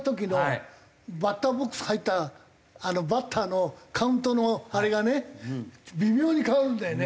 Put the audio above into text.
バッターボックス入ったバッターのカウントのあれがね微妙に変わるんだよね。